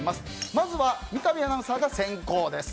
まずは三上アナウンサーが先攻です。